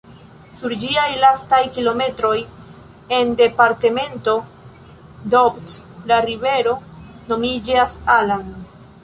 Sur ĝiaj lastaj kilometroj en departemento Doubs la rivero nomiĝas "Allan".